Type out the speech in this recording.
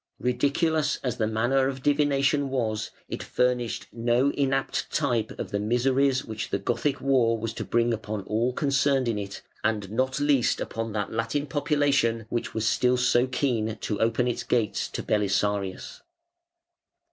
Ridiculous as the manner of divination was, it furnished no inapt type of the miseries which the Gothic war was to bring upon all concerned in it, and not least upon that Latin population which was still so keen to open its gates to Belisarius.